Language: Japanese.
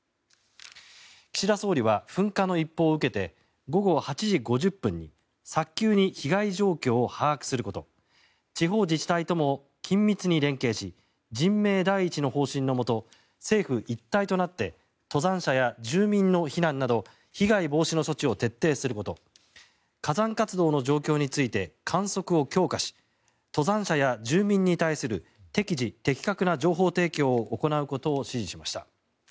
岸田総理は噴火の一報を受けて午後８時５０分に早急に被害状況を把握すること地方自治体とも緊密に連携し人命第一の方針のもと政府一体となって登山者や住民の避難など被害防止の措置を徹底すること火山活動の状況について観測を強化し登山者や住民に対する適時的確な情報提供を行うことを指示しました。